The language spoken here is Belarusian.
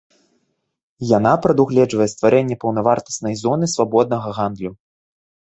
Яна прадугледжвае стварэнне паўнавартаснай зоны свабоднага гандлю.